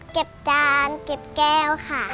จานเก็บแก้วค่ะ